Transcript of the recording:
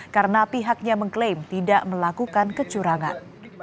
karena pihaknya mengklaim tidak melakukan kecurangan